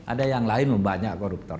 ada yang lain banyak koruptor